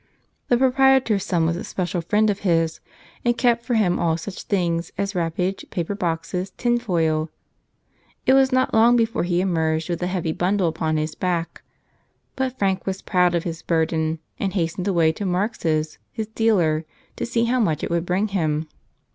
The proprietor's son was a special friend of his and kept for him all such things as wrappage, paper boxes, tinfoil. It was not long before he emerged with a heavy bundle upon his back. But Frank was proud of his burden and hastened away to Marx's, his dealer, to see how much it would bring him.